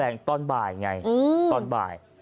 ตอนบ่ายไงตอนบ่าย